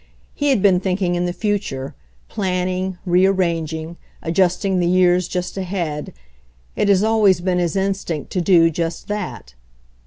He had been thinking in the future, plan ning, rearranging, adjusting the years just ahead. It has always been his instinct to do just that.